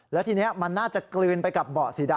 แล้วทีนี้มันน่าจะกลืนไปกับเบาะสีดำ